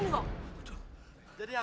gak mau mas